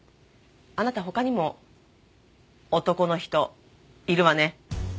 あなた他にも男の人いるわね。